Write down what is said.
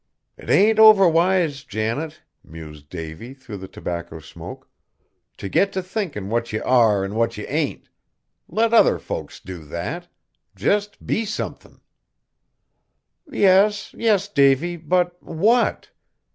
"'T ain't overwise, Janet," mused Davy through the tobacco smoke, "to get t' thinkin' what ye are an' what ye ain't. Let other folks do that. Jest be somethin'." "Yes, yes, Davy, but what?